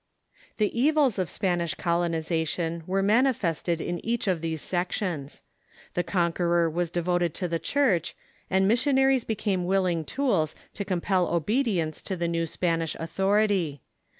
The evils of Spanish colonization were manifested in each of these sections. The conqueror was devoted to the Church, The Evils of ^^^^ missionaries became AS'illing tools to compel the Spanish obedience to the new Spanish authorit}".